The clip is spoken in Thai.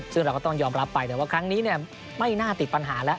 ซึ่งเราก็ต้องยอมรับไปแต่ว่าครั้งนี้ไม่น่าติดปัญหาแล้ว